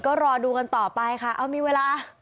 ก็รอดูกันต่อไปค่ะเอามีเวลา